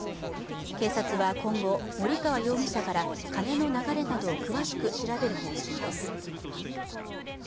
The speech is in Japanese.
警察は今後、森川容疑者から金の流れなどを詳しく調べる方針です。